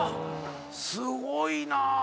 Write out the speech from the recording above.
すごいなぁ！